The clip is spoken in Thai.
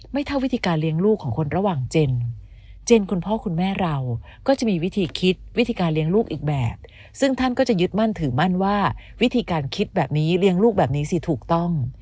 เท่าวิธีการเลี้ยงลูกของคนระหว่างเจนเจนคุณพ่อคุณแม่เราก็จะมีวิธีคิดวิธีการเลี้ยงลูกอีกแบบซึ่งท่านก็จะยึดมั่นถือมั่นว่าวิธีการคิดแบบนี้เลี้ยงลูกแบบนี้สิถูกต้อง